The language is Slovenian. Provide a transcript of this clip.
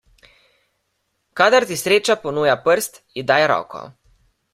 Kadar ti sreča ponuja prst, ji daj roko.